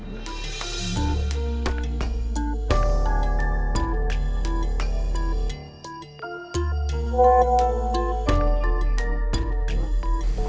tante aku mau tidur